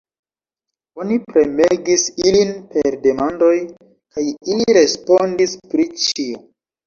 Oni premegis ilin per demandoj, kaj ili respondis pri ĉio.